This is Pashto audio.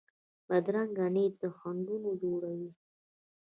بدرنګه نیت خنډونه جوړوي